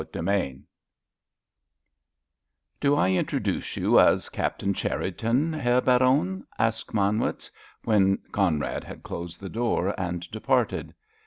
CHAPTER V "Do I introduce you as Captain Cherriton, Herr Baron?" asked Manwitz, when Conrad had closed the door and departed.